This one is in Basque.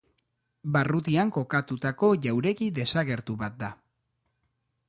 Barrutian kokatutako jauregi desagertu bat da.